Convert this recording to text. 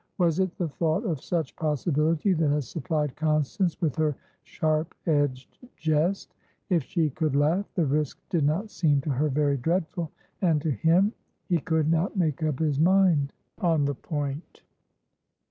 Was it the thought of such possibility that had supplied Constance with her sharp edged jest? If she could laugh, the risk did not seem to her very dreadful. And to him? He could not make up his mind on the point.